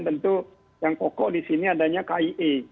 tentu yang pokok di sini adanya kie